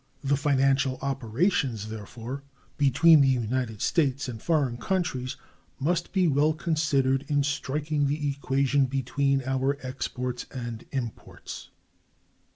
The financial operations, therefore, between the United States and foreign countries, must be well considered in striking the equation between our exports and imports.